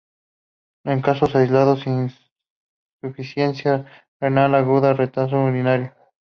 En casos aislados: insuficiencia renal aguda, retención urinaria.